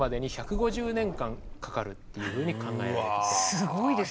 すごいですね。